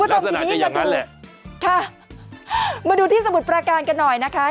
คุณผู้ชมทีนี้มาดูค่ะมาดูที่สมุทรปราการกันหน่อยนะคะ